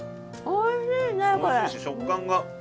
おいしいし食感が。